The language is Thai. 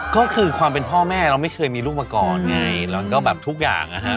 ก็คือความเป็นพ่อแม่เราไม่เคยมีลูกมาก่อนไงแล้วก็แบบทุกอย่างนะครับ